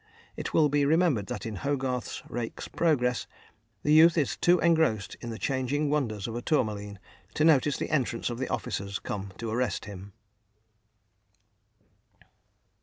It will be remembered that in Hogarth's "Rake's Progress," the youth is too engrossed in the changing wonders of a tourmaline to notice the entrance of the officers come to arrest him.